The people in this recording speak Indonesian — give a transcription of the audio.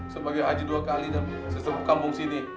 sebagai haji dua kali dan sesungguh kampung sini